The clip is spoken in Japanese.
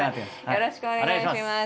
よろしくお願いします。